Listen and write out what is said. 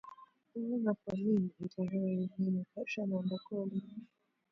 However, for me, it has always been a passion and a calling.